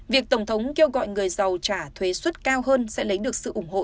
việc tổng thống kêu gọi người giàu trả thuế xuất cao hơn sẽ lấy được sự ủng hộ